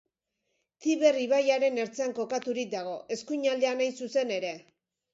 Tiber ibaiaren ertzean kokaturik dago, eskuinaldean hain zuzen ere.